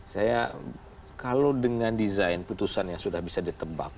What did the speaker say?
saya kalau dengan desain putusan yang sudah bisa ditebak